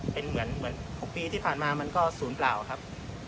เป็นเหมือน๖ปีที่ผ่านมามันก็ศูนย์เปล่าครับ